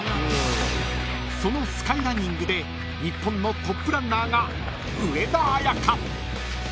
［そのスカイランニングで日本のトップランナーが］